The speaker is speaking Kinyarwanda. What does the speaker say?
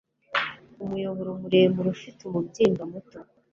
umuyoboro muremure ufite umubyimba muto